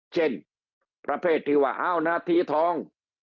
เช่นประเภทที่ว่าอ้าวนาทีทอง